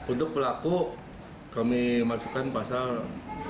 untuk pelaku kami masukkan pasal tiga ratus enam puluh lima kuhp